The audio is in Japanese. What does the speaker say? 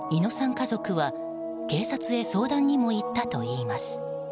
家族は警察へ相談にも行ったといいます。